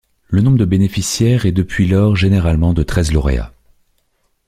Le nombre de bénéficiaires est depuis lors généralement de treize lauréats.